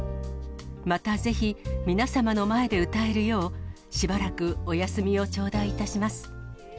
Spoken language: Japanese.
またぜひ、皆様の前で歌えるよう、しばらくお休みを頂戴いたします。